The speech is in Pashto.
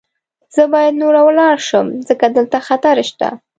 زه باید نوره ولاړه شم، ځکه دلته خطر شته.